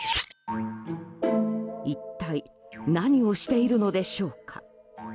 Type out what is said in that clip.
一体何をしているのでしょうか。